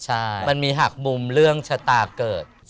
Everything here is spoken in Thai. ใช่มันมีหักมุมเรื่องชะตาเกิด